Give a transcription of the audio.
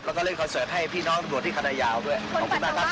แล้วก็เล่นคอนเสิร์ตให้พี่น้องตำรวจที่คณะยาวด้วยขอบคุณมากครับ